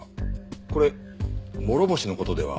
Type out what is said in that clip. これ諸星の事では？